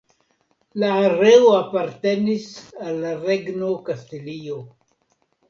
La areo apartenis al la Regno Kastilio.